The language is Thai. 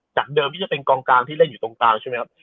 เดิมที่จะเป็นกองกลางที่เล่นอยู่ตรงกลางใช่ไหมครับ